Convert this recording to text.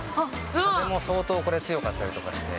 風も相当これ、強かったりとかして。